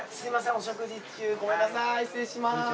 お食事中ごめんなさい失礼します。